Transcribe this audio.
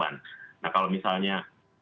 nah kalau misalnya